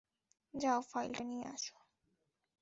যাও ফাইলটা নিয়ে এসো।